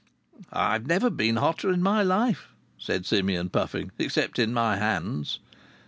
"I've never been hotter in my life," said Simeon, puffing. "Except in my hands."